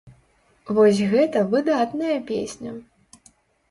Вось гэта выдатная песня.